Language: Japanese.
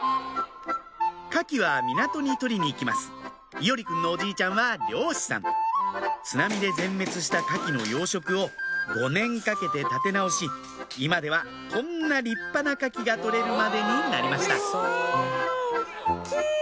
カキは港に取りに行きます伊織くんのおじいちゃんは漁師さん津波で全滅したカキの養殖を５年かけて立て直し今ではこんな立派なカキが取れるまでになりました大っきい！